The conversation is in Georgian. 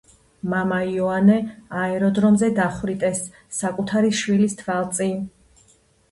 მამა იოანე აეროდრომზე დახვრიტეს საკუთარი შვილის თვალწინ.